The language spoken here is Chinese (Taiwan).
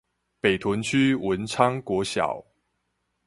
北屯區文昌國小